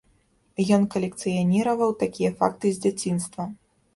Ён калекцыяніраваў такія факты з дзяцінства.